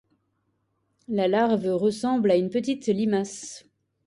La larve ressemble à une petite limace.